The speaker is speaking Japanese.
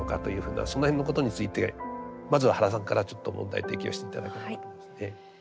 その辺のことについてまずは原さんからちょっと問題提起をして頂ければと思います。